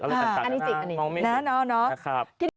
อันนี้จริงอันนี้งงนะ